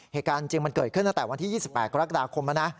เหตุการณ์จริงมันเกิดขึ้นตั้งแต่วันที่๒๘กรกฎาคมแล้วนะ